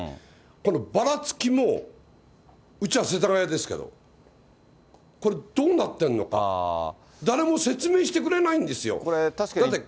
このばらつきも、うちは世田谷ですけど、これ、どうなってるのか、誰も説明してくれないんですよ。